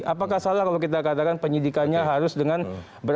apakah salah kalau kita katakan penyidikannya harus dengan berat